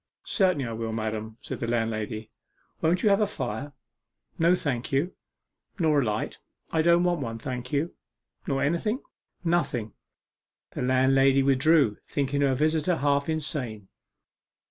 'Certainly I will, madam,' said the landlady. 'Won't you have a fire?' 'No, thank you.' 'Nor a light?' 'I don't want one, thank you.' 'Nor anything?' 'Nothing.' The landlady withdrew, thinking her visitor half insane.